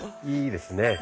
いいですね。